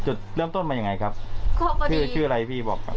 จุดเริ่มต้นมายังไงครับชื่อชื่ออะไรพี่บอก